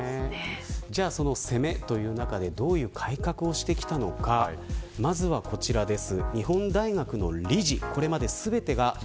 その攻めという中でどういう改革をしてきたのかまずはこちらです。